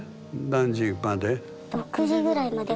何時まで？